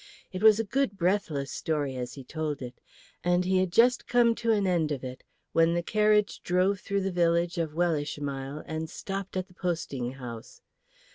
It was a good breathless story as he told it, and he had just come to an end of it when the carriage drove through the village of Wellishmile and stopped at the posting house.